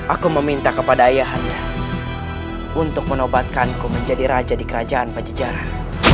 aku meminta kepada ayahannya untuk menobatkanku menjadi raja di kerajaan pajajaran